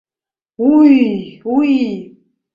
— Уй-уй!